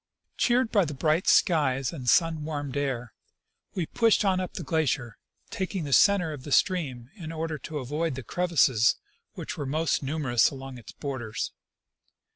Cheered by the bright skies and sun warmed air, we pushed on up the glacier, taking the center of the stream in order to avoid the crevasses, which were most numerous along its borders.